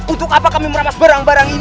untuk apa kami merampas barang barang ini